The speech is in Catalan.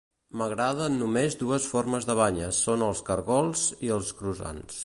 M'agraden només dues formes de banyes són els cargols i els croissants